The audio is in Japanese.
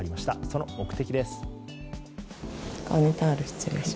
その目的です。